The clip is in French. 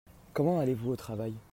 Comment allez-vous au travail ?